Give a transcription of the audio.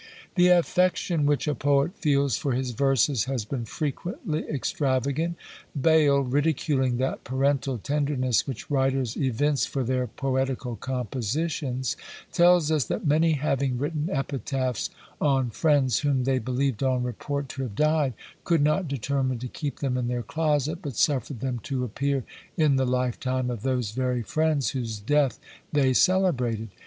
The affection which a poet feels for his verses has been frequently extravagant. Bayle, ridiculing that parental tenderness which writers evince for their poetical compositions, tells us, that many having written epitaphs on friends whom they believed on report to have died, could not determine to keep them in their closet, but suffered them to appear in the lifetime of those very friends whose death they celebrated.